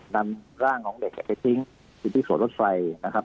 นำร่างของเด็กแข็กไปชิงคือที่ส่วนรถไฟนะครับ